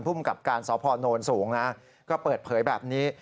ผู้มีการสอบพอโนนสูงก็เปิดเผยแบบนี้